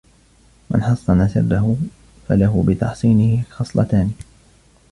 مَنْ حَصَّنَ سِرَّهُ فَلَهُ بِتَحْصِينِهِ خَصْلَتَانِ